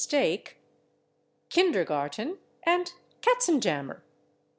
steak), /kindergarten/ and /katzenjammer